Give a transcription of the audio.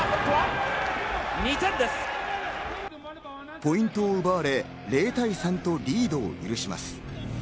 ポイントを奪われ０対３とリードを許します。